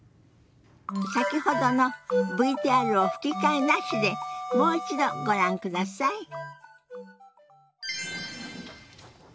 先ほどのＶＴＲを吹き替えなしでもう一度ご覧ください。